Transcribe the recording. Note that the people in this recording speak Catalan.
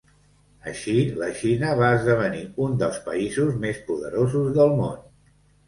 Així, la Xina va esdevenir un dels països més poderosos del món.